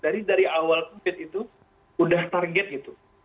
jadi dari awal covid itu udah target gitu